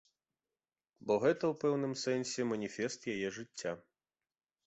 Бо гэта, у пэўным сэнсе, маніфест яе жыцця.